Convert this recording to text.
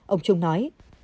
ông trung nói